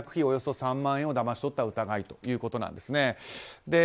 およそ３万円をだまし取った疑いということなんです。